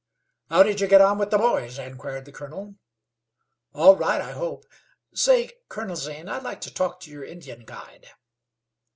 "How did you get on with the boys?" inquired the colonel. "All right, I hope. Say, Colonel Zane, I'd like to talk to your Indian guide."